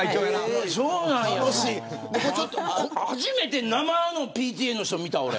初めて生のＰＴＡの人を見た、俺。